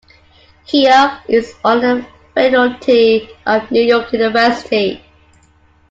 Keogh is on the faculty of New York University.